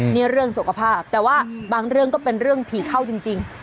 นี่เรื่องสุขภาพแต่ว่าบางเรื่องก็เป็นเรื่องผีเข้าจริง